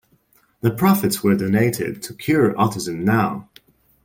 The profits were donated to Cure Autism Now.